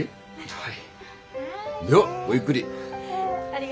はい。